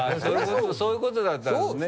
そういうことだったんですね。